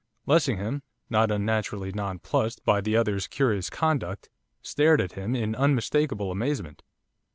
Lessingham, not unnaturally nonplussed by the other's curious conduct, stared at him in unmistakable amazement.